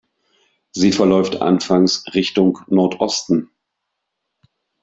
Sie verläuft anfangs Richtung Nordosten.